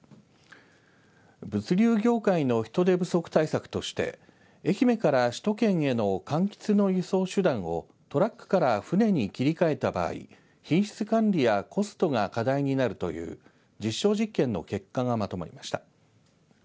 物流業界の人手不足対策として愛媛から首都圏へのかんきつの輸送手段をトラックから船に切り替えた場合品質管理やコストが課題になるという実証実験の結果がまとまりました。